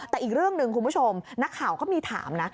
แต่อีกเรื่องหนึ่งคุณผู้ชมนักข่าวก็มีถามนะ